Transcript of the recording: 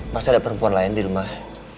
masih ada perempuan lain di rumah